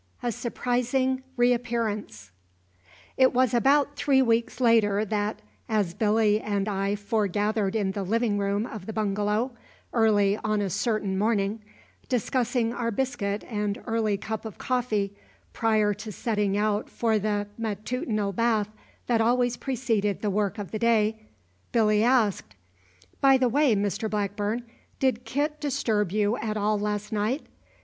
A SURPRISING REAPPEARANCE. It was about three weeks later that, as Billy and I foregathered in the living room of the bungalow, early on a certain morning, discussing our biscuit and early cup of coffee prior to setting out for the matutinal bath that always preceded the work of the day, Billy asked: "By the way, Mr Blackburn, did Kit disturb you at all last night?